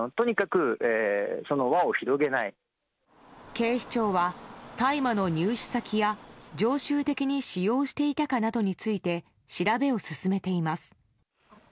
警視庁は大麻の入手先や常習的に使用していたかなどについて調べを進めています。